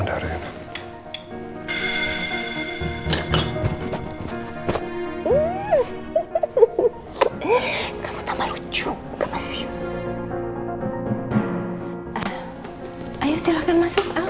aku juga kangen